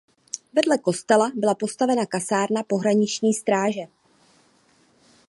Vedle kostela byla postavena kasárna Pohraniční stráže.